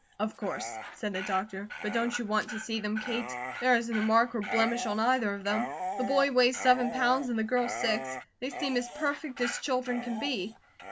"Of course," said the doctor. "But don't you want to see them, Kate? There isn't a mark or blemish on either of them. The boy weighs seven pounds and the girl six; they seem as perfect as children can be."